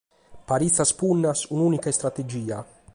Paritzas punnas, un’ùnica istrategia.